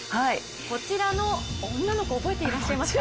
こちらの女の子、覚えていらっしゃいますか？